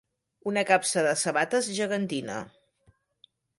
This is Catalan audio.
Una capsa de sabates gegantina.